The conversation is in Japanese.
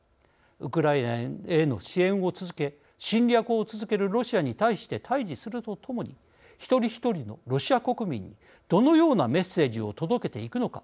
ウクライナへの支援を続け侵略を続けるロシアに対して対じするとともに一人一人のロシア国民にどのようなメッセージを届けていくのか